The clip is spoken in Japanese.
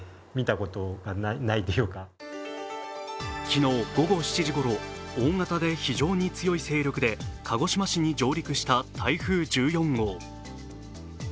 昨日午後７時ごろ大型で非常に強い勢力で鹿児島市に上陸した台風１４号。